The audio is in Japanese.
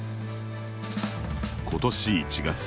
今年１月。